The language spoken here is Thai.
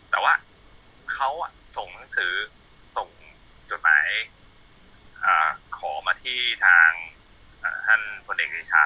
แต่ว่าเขาอ่ะส่งหนังสือส่งจดหมายอ่าขอมาที่ทางอ่าท่านผู้เด็กศิษย์ชาติ